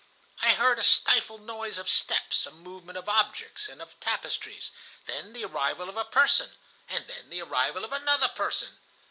I heard a stifled noise of steps, a movement of objects and of tapestries, then the arrival of a person, and then the arrival of another person.